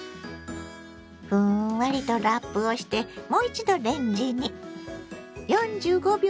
ふんわりとラップをしてもう一度レンジに。